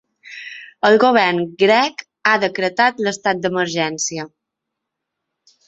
El govern grec ha decretat l’estat d’emergència.